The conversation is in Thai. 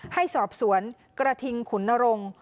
ให้สอบสวนกระทิงขุนนรงค์